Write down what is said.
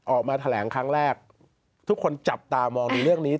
ออกมาแถลงครั้งแรกทุกคนจับตามองในเรื่องนี้